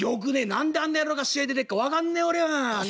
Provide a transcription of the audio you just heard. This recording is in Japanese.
何であんな野郎が試合出てっか分かんねえ俺は。